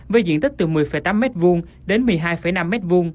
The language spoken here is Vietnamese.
với diện tích từ một mươi tám m hai đến một mươi hai năm m hai